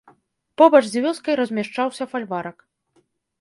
Побач з вёскай размяшчаўся фальварак.